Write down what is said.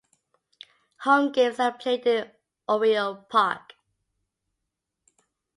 Home games are played in Oriel Park.